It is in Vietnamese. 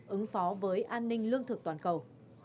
ứng phó với an ninh lương thực toàn cầu